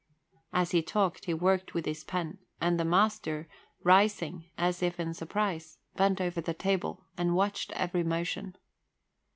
As he talked, he worked with his pen, and the master, rising as if in surprise, bent over the table and watched every motion.